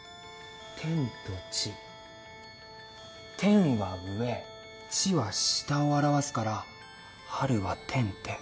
「天」と「地」「天」は上「地」は下を表すから春は「天・天」